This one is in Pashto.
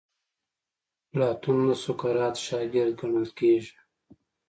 افلاطون د سقراط شاګرد ګڼل کیږي.